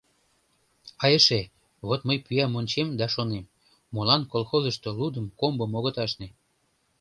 А эше — вот мый пӱям ончем да шонем: молан колхозышто лудым, комбым огыт ашне?